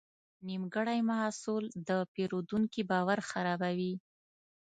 نیمګړی محصول د پیرودونکي باور خرابوي.